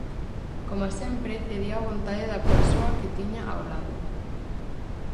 Coma sempre, cedía á vontade da persoa que tiña ao lado.